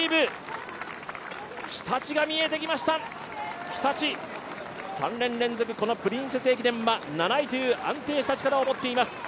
日立が見えてきました日立、３年連続プリンセス駅伝は７位という安定した力を持っています。